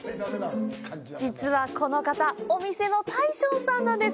実はこの方、お店の大将さんなんです。